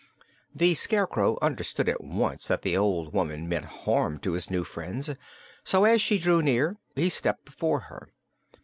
The Scarecrow understood at once that the old woman meant harm to his new friends, so as she drew near he stepped before her.